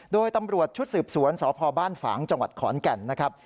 โดยตำรวจชุดสืบสวนสพบ้านฝางจังหวัดขอนแก่นนะครับ